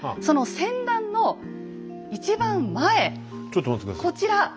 その船団の一番前こちら。